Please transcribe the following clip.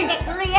ipinjek dulu ya